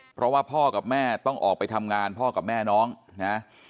เพราะว่าพ่อกับแม่ต้องออกไปทำงานพ่อกับแม่น้องนะ